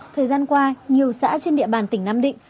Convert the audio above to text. thời gian qua nhiều xã trên địa bàn tỉnh nam định